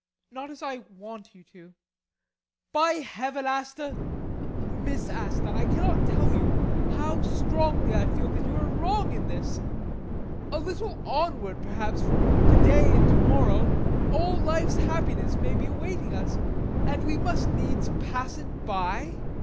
Not as I want you to. [More forcibly.] By Heaven, Asta Miss Asta I cannot tell you how strongly I feel that you are wrong in this! A little onward, perhaps, from to day and to morrow, all life's happiness may be awaiting us. And we must needs pass it by!